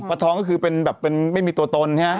ปลาทองก็คือเป็นแบบเป็นไม่มีตัวตน